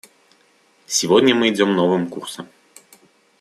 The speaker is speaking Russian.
Сегодня мы идем новым курсом.